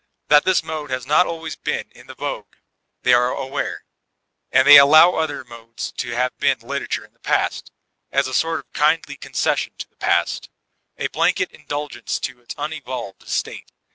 That this mode has not al ways been in vogue they are aware ; and they allow other modes to have been literature in the past, as a sort of kindly concession to the past — a blanket indulgence to its unevolved state.